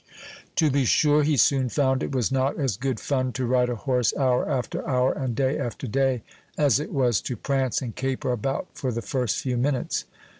To be sure he soon found it was not as good fun to ride a horse hour after hour, and day after day, as it was to prance and caper about for the first few minutes.